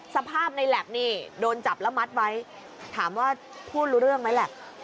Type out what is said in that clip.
สภาพในแหลปนี่โดนจับแล้วมัดไว้ถามว่าพูดรู้เรื่องไหมแหละ